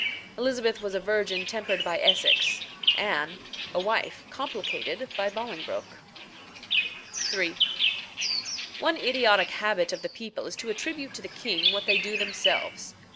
Elizabeth was a virgin tempered by Essex; Anne, a wife complicated by Bolingbroke. III. One idiotic habit of the people is to attribute to the king what they do themselves.